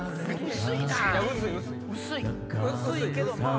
薄いけどまぁ。